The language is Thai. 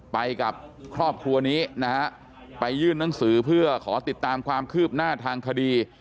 ไปกับครอบครัวนี้นะฮะไปยื่นหนังสือเพื่อขอติดตามความคืบหน้าทางคดี